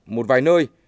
một vài nơi